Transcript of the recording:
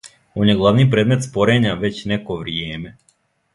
Он је главни предмет спорења већ неко вријеме.